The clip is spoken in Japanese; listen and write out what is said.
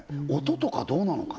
音とかどうなのかね？